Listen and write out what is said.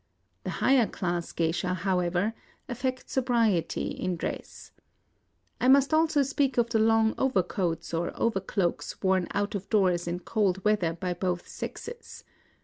The higher class geisha, however, affect sobriety in dress. I must also speak of the long overcoats or overcloaks worn out of doors in cold weather by both sexes.